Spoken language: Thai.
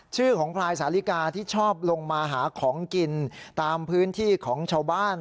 ชื่อของพลายสาลิกาที่ชอบลงมาหาของกินตามพื้นที่ของชาวบ้าน